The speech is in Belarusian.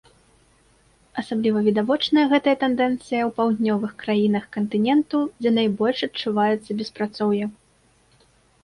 Асабліва відавочная гэтая тэндэнцыя ў паўднёвых краінах кантыненту, дзе найбольш адчуваецца беспрацоўе.